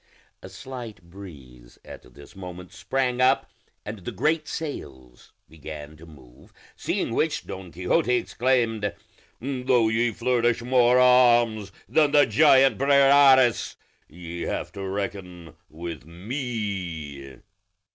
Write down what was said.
A slight breeze at this moment sprang up, and the great sails began to move; seeing which, Don Quixote exclaimed, "Though ye flourish more arms than the giant Briareus, ye have to reckon with me."